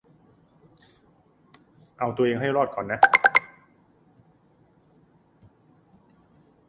เอาตัวเองให้รอดก่อนนะ